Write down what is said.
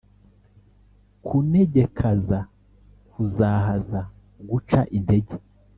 kunegekaza: kuzahaza, guca intege…